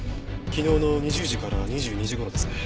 昨日の２０時から２２時頃ですね。